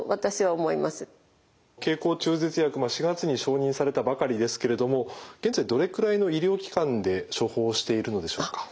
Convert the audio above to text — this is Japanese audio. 経口中絶薬も４月に承認されたばかりですけれども現在どれくらいの医療機関で処方しているのでしょうか？